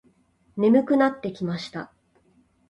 眠くなってきました。